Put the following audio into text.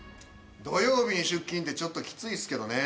土曜日に出勤ってちょっときついっすけどね。